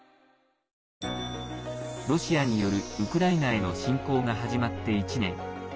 ロシアによるウクライナへの侵攻が始まって１年。